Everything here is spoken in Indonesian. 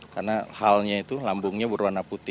karena hullnya itu lambungnya berwarna putih